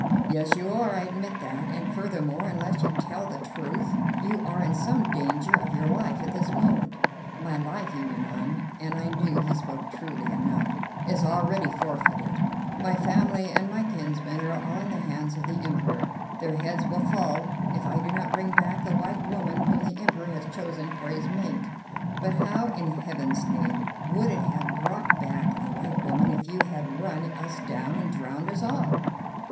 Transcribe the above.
"Yes, you are. I admit that, and, furthermore, unless you tell the truth you are in some danger of your life at this moment." "My life," he went on, and I knew he spoke truly enough, "is already forfeited. My family and my kinsmen are all in the hands of the Emperor. Their heads will fall if I do not bring back the white woman whom the Emperor has chosen for his mate." "But how in Heaven's name would it have brought back the white woman if you had run us down and drowned us all?"